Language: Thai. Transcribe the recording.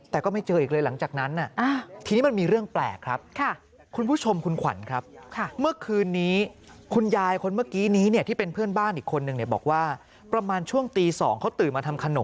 แต่ก็ไม่เจออีกเลยหลังจากนั้นทีนี้มันมีเรื่องแปลกครับ